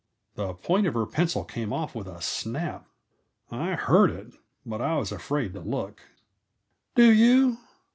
The point of her pencil came off with a snap. I heard it, but I was afraid to look. "Do you?